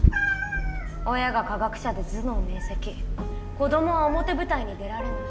親が科学者で頭脳明晰子供は表舞台に出られない。